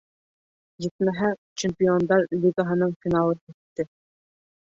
Етмәһә, чемпиондар лигаһының финалы етте.